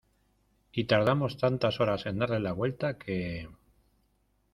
y tardamos tantas horas en darle la vuelta que...